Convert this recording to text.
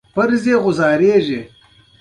د فراه د پخواني ښار دیوالونه د هخامنشي دورې دي